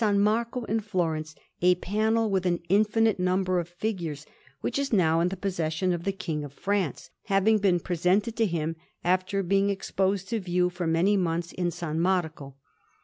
Marco at Florence, a panel with an infinite number of figures, which is now in the possession of the King of France, having been presented to him after being exposed to view for many months in S. Marco.